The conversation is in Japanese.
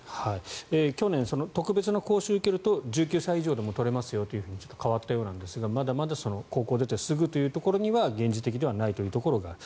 去年特別な講習を受けると１９歳以上でも取れますよと変わったようですがまだまだ高校出てすぐというところには現実的ではないというところがある。